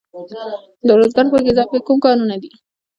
د ارزګان په ګیزاب کې کوم کانونه دي؟